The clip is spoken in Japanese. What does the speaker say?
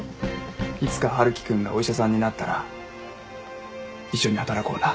いつか春樹君がお医者さんになったら一緒に働こうな。